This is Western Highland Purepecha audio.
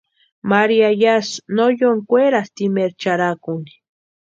María yásï no yóni kwerasti imaeri charhakuni.